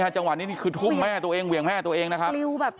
จังหวะนี้นี่คือทุ่มแม่ตัวเองเหวี่ยงแม่ตัวเองนะครับ